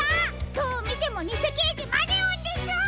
どうみてもにせけいじマネオンです！